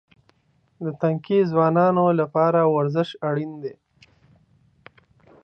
د تنکي ځوانانو لپاره ورزش اړین دی.